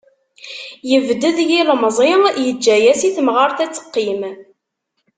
Yebded yilemẓi, yeǧǧa-as i temɣart ad teqqim